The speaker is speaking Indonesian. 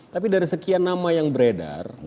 tapi dari sekian nama yang beredar